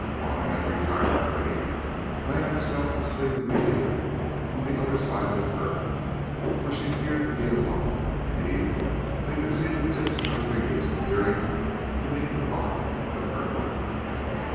Juanna had retired already, laying herself to sleep immediately on the other side of the curtain, for she feared to be alone; indeed they could see the tips of her fingers appearing beneath the bottom of the curtain.